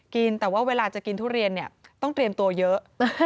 กินแต่ว่าเวลาจะกินทุเรียนเนี่ยต้องเตรียมตัวเยอะ